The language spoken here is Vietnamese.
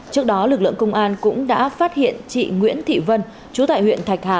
trước đó lực lượng công an cũng đã phát hiện chị nguyễn thị vân chú tại huyện thạch hà